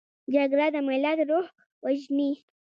جګړه د ملت روح وژني